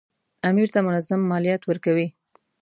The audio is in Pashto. امیر ته منظم مالیات ورکوي.